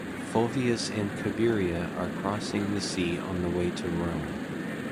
Fulvius and Cabiria are crossing the sea on the way to Rome.